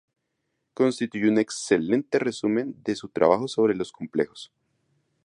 Constituye un excelente resumen de su trabajo sobre los complejos.